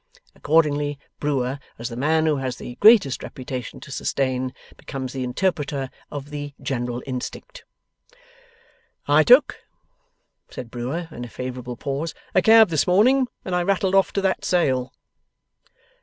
Accordingly, Brewer, as the man who has the greatest reputation to sustain, becomes the interpreter of the general instinct. 'I took,' says Brewer in a favourable pause, 'a cab this morning, and I rattled off to that Sale.